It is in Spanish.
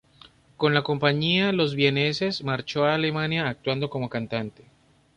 Con la compañía "Los Vieneses" marchó a Alemania, actuando como cantante.